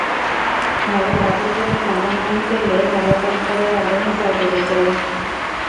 ভালো কাজের জন্য মনোনয়ন পেলে ভালো কাজ করার আগ্রহটা বেড়ে যায়।